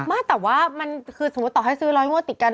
ไม่แต่ว่ามันคือสมมุติต่อให้ซื้อร้อยงวดติดกัน